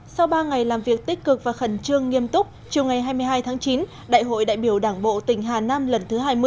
sau ba ngày làm việc tích cực và khẩn trương nghiêm túc chiều ngày hai mươi hai tháng chín đại hội đại biểu đảng bộ tỉnh hà nam lần thứ hai mươi